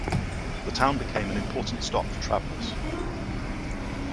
The town became an important stop for travellers.